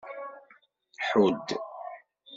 Ḥudd.